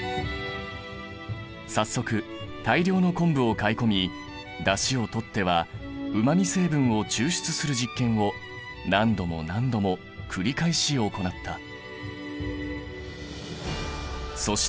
早速大量の昆布を買い込みだしをとってはうま味成分を抽出する実験を何度も何度も繰り返し行った。